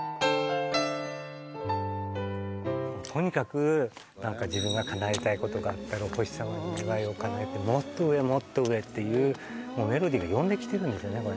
とにかく何か自分がかなえたいことがあったらお星様に願いをかなえてもっと上もっと上っていうもうメロディーが呼んできてるんですよね